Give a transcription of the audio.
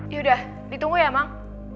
yaudah ditunggu ya mang